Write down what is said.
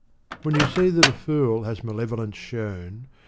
When you see that a fool has malevolence shown.